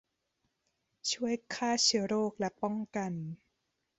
ช่วยฆ่าเชื้อโรคและป้องกัน